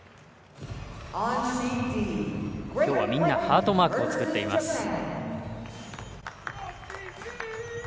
きょうは、みんなハートマークを作っています。